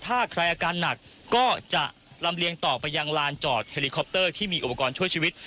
ถ้าใครอาการหนักก็จะลำเลียงต่อไปยังลานจอดเฮลิคอปเตอร์ที่มีอุปกรณ์ช่วยชีวิต